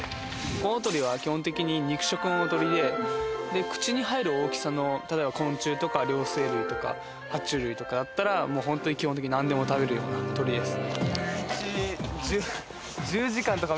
コウノトリは基本的に肉食の鳥で口に入る大きさの例えば昆虫とか両生類とか爬虫類とかだったらホントに基本的に何でも食べるような鳥です。